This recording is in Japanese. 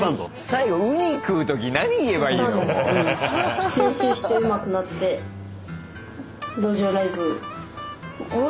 最後ウニ食う時何言えばいいのもう。